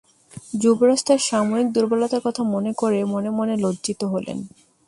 যুবরাজ তার সাময়িক দুর্বলতার কথা মনে করে মনে মনে লজ্জিত হলেন।